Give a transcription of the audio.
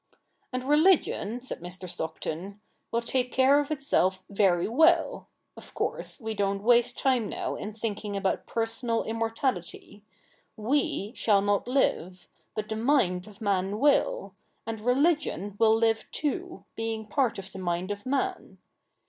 ' And religion,' said Mr. Stockton, ' will take care of itself very well. Of course we don't waste time now in thinking about personal immortality. JFe shall not live ; but the mind of man will ; and religion will live too, being part of the mind of man.